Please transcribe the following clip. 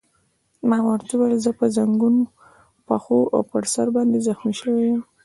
ما ورته وویل: زه په زنګون، پښو او پر سر باندې زخمي شوی یم.